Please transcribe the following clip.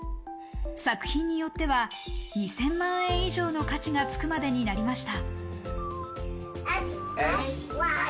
作品によっては１０００万円以上の価値がつくまでになりました。